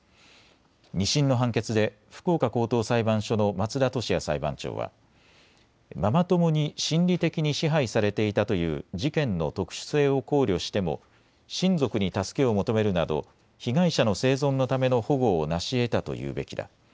２審の判決で福岡高等裁判所の松田俊哉裁判長はママ友に心理的に支配されていたという事件の特殊性を考慮しても親族に助けを求めるなど被害者の生存のための保護をなしえたというべきだ。